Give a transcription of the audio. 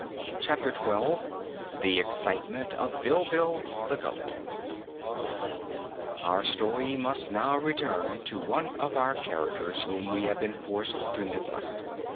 Chapter Twelve The Excitement of Bilbil the Goat Our story must now return to one of our characters whom we have been forced to neglect.